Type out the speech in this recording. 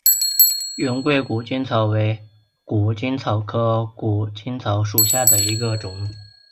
云贵谷精草为谷精草科谷精草属下的一个种。